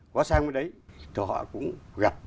có sang với đấy thì họ cũng gặp